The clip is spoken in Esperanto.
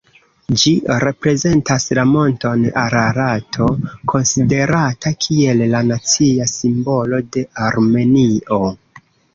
Ĝi reprezentas la monton Ararato, konsiderata kiel la nacia simbolo de Armenio.